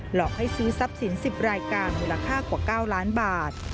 หลอกให้ซื้อทรัพย์สิน๑๐รายการมูลค่ากว่า๙ล้านบาท